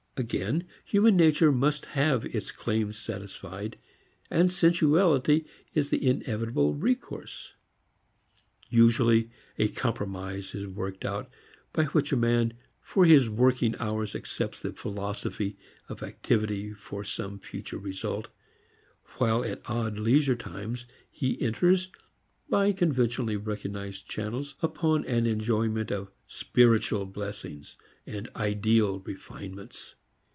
Again human nature must have its claims satisfied, and sensuality is the inevitable recourse. Usually a compromise is worked out, by which a man for his working hours accepts the philosophy of activity for some future result, while at odd leisure times he enters by conventionally recognized channels upon an enjoyment of "spiritual" blessings and "ideal" refinements.